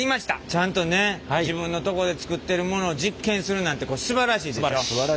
ちゃんとね自分のとこで作ってるものを実験するなんてすばらしいです。